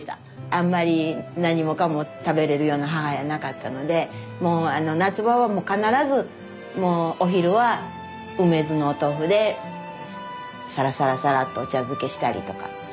あんまり何もかも食べれるような母やなかったのでもう夏場はもう必ずお昼は梅酢のお豆腐でさらさらさらっとお茶漬けしたりとかそういう感じで。